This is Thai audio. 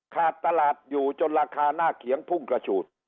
ขาดตลาดอยู่จนราคาหน้าเขียงพุ่งกระฉูด